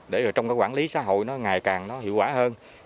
để trong quản lý xã hội ngày càng hiệu quả hơn